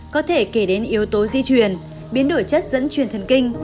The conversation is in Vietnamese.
có thể kể đến yếu tố di truyền biến đổi chất dẫn truyền thần kinh